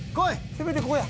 せめてここや。